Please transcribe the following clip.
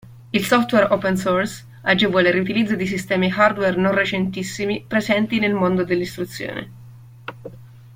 Il software open source agevola il riutilizzo di sistemi hardware non recentissimi presenti nel mondo dell'istruzione.